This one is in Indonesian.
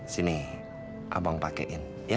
sini abang pakein ya